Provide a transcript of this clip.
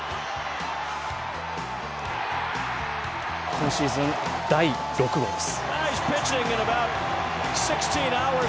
今シーズン第６号です。